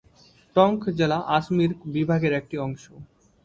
টঙ্ক জেলা আজমির বিভাগের একটি অংশ।